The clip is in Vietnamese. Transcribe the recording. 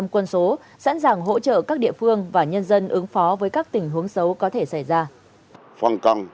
quân số sẵn sàng hỗ trợ các địa phương và nhân dân ứng phó với các tình huống xấu có thể xảy ra